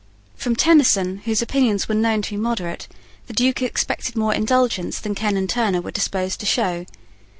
From Tenison, whose opinions were known to be moderate, the Duke expected more indulgence than Ken and Turner were disposed to show.